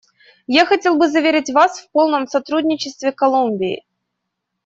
Я хотел бы заверить Вас в полном сотрудничестве Колумбии.